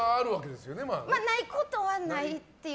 ないことはないっていう。